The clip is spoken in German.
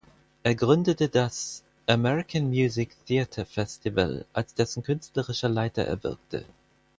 Er gründete das "American Music Theater Festival", als dessen künstlerischer Leiter er wirkte.